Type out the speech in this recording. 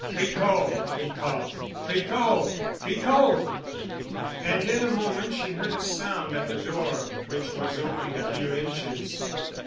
"Tricot!" he called. "Tricot! Tricot!" And in a moment she heard a sound at the door, which was opened a few inches.